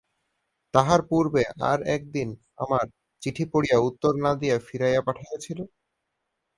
তাহার পূর্বে আর-এক দিন আমার চিঠি পড়িয়া উত্তর না দিয়া ফিরাইয়া পাঠাইয়াছিলে?